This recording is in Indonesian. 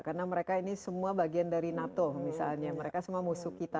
karena mereka ini semua bagian dari nato misalnya mereka semua musuh kita